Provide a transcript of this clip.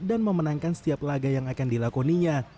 dan memenangkan setiap laga yang akan dilakoninya